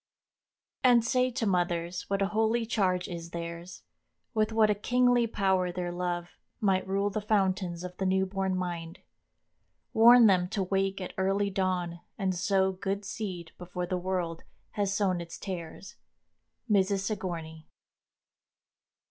] "And say to mothers what a holy charge Is theirs; with what a kingly power their love Might rule the fountains of the new born mind; Warn them to wake at early dawn and sow Good seed before the world has sown its tares." —MRS. SIGOURNEY.